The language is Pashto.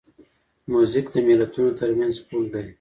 موزیک د ملتونو ترمنځ پل دی.